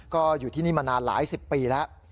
ก็อยู่ที่นี่มานานหลายสิบปีแล้ว